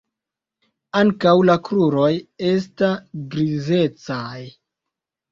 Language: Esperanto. Ankaŭ la kruroj esta grizecaj.